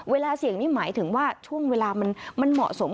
เวลาเสี่ยงนี่หมายถึงว่าช่วงเวลามันเหมาะสม